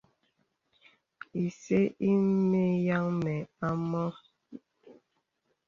Ìsə̄ ìməŋì mə à mɔ.